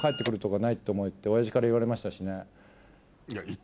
「と思え」って親父から言われましたしね。